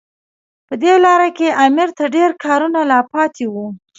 په دې لاره کې امیر ته ډېر کارونه لا پاتې وو.